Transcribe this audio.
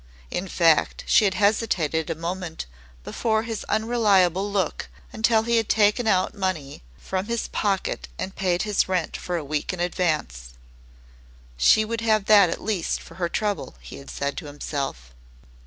In fact, she had hesitated a moment before his unreliable look until he had taken out money from his pocket and paid his rent for a week in advance. She would have that at least for her trouble, he had said to himself.